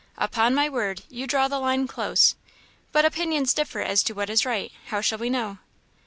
"Upon my word, you draw the line close. But opinions differ as to what is right; how shall we know?"